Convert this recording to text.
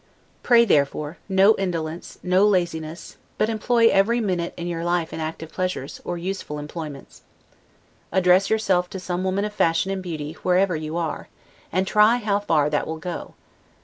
Pray, therefore, no indolence, no laziness; but employ every minute in your life in active pleasures, or useful employments. Address yourself to some woman of fashion and beauty, wherever you are, and try how far that will go.